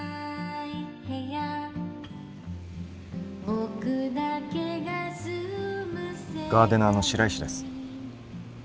そんなガーデナーの白石です。